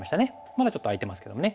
まだちょっと空いてますけどもね。